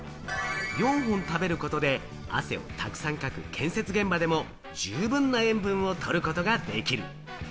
４本食べることで、汗をたくさんかく建設現場でも十分な塩分を取ることができる。